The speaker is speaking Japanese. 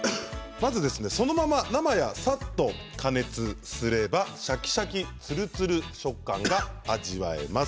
まず、そのまま生やさっと加熱すればシャキシャキ、つるつる食感が味わえます。